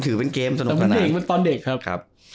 ถือเป็นเกมสนุกค่อนแรก